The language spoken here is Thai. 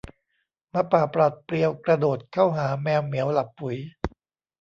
หมาป่าปราดเปรียวกระโดดเข้าหาแมวเหมียวหลับปุ๋ย